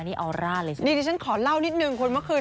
นี่ก็จะขอเล่านิดนึงคุณก็คือ